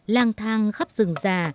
lang thang khắp rừng già